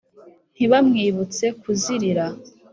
ntibamwibutse kuzirira.